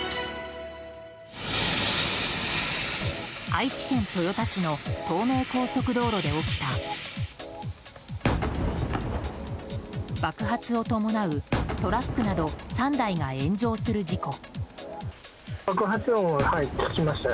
愛知県豊田市の東名高速道路で起きた爆発を伴うトラックなど３台が炎上する事故。